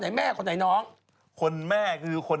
แล้วมีลูกสาวเลยเป็นตุ๊ดขึ้นทุกวัน